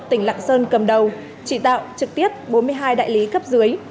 tỉnh lạng sơn cầm đầu trị tạo trực tiếp bốn mươi hai đại lý cấp dưới